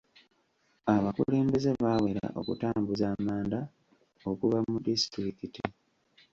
Abakulembeze baawera okutambuza amanda okuva mu disitulikiti.